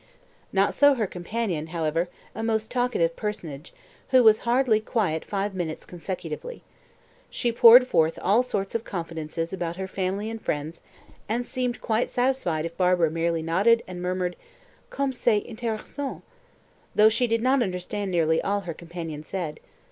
Not so her companion, however, a most talkative personage, who was hardly quiet five minutes consecutively. She poured forth all sorts of confidences about her family and friends, and seemed quite satisfied if Barbara merely nodded and murmured, "Comme c'est interessant!" though she did not understand nearly all her companion said.